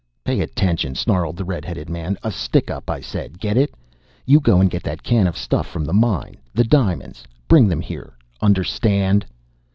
"Pay attention!" snarled the red headed man. "A stickup, I said! Get it? You go get that can of stuff from the mine! The diamonds! Bring them here! Understand?"